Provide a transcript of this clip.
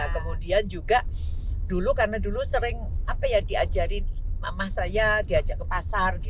kemudian juga dulu karena dulu sering diajarin mamah saya diajak ke pasar